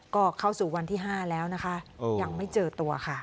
ก็เข้าสู่วันที่๕แล้วนะคะยังไม่เจอตัวค่ะ